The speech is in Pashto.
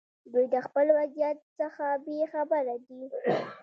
دوی د خپل وضعیت څخه بې خبره دي.